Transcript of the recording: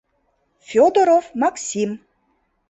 «Фёдоров Максим.